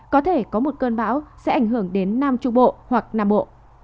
có thể có một cơn bão sẽ ảnh hưởng đến nam trung bộ hoặc nam bộ